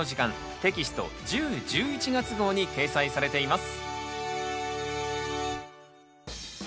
テキスト１０・１１月号に掲載されています。